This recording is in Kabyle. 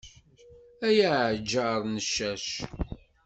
Ay aɛǧar n ccac.